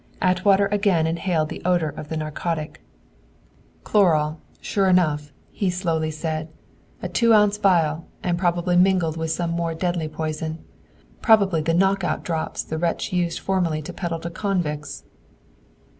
Atwater again inhaled the odor of the narcotic. "Chloral, sure enough!" he slowly said. "A two ounce vial, and probably mingled with some more deadly poison! Probably the 'knock out drops' the wretch used formerly to peddle to convicts!"